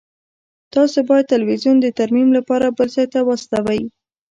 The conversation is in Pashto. تاسو باید تلویزیون د ترمیم لپاره بل ځای ته واستوئ